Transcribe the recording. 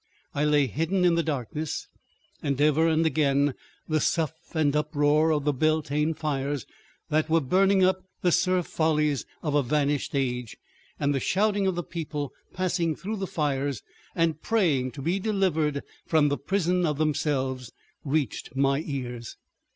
I lay hidden in the darkness, and ever and again the sough and uproar of the Beltane fires that were burning up the sere follies of a vanished age, and the shouting of the people passing through the fires and praying to be delivered from the prison of themselves, reached my ears.